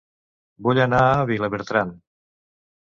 Vull anar a Vilabertran